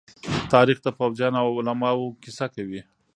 تاریخ د پوځيانو او علماءو کيسه کوي.